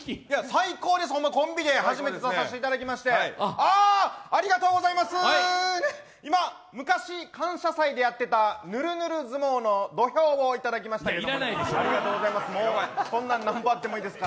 最高です、コンビで初めて出させていただきましたあありがとうございますねっ、今、昔「感謝祭」でやってたぬるぬる相撲の土俵をいただきましたけれどもありがとうございます。